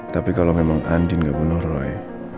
tapi kalau memang andin gak bunuh roy